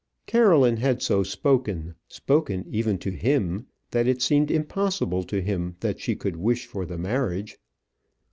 Caroline had so spoken, spoken even to him, that it seemed impossible to him that she could wish for the marriage.